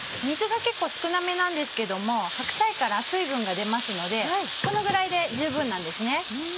水が結構少なめなんですけども白菜から水分が出ますのでこのぐらいで十分なんですね。